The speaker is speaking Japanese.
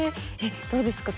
どうですか？